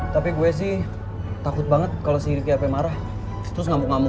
tapi gue sih takut banget kalo si rifki hp marah terus ngamuk ngamuk